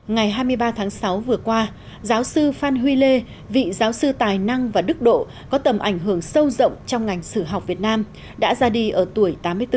ngày hai mươi ba tháng sáu vừa qua giáo sư phan huy lê vị giáo sư tài năng và đức độ có tầm ảnh hưởng sâu rộng trong ngành sử học việt nam đã ra đi ở tuổi tám mươi bốn